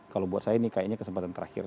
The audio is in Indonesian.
kalau buat saya ini kayaknya kesempatan terakhir